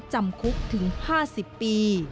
จำคุกถึง๕๐ปี